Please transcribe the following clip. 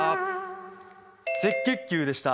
赤血球でした。